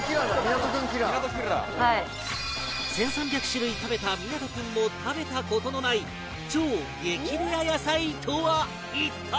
１３００種類食べた湊君も食べた事のない超激レア野菜とは一体？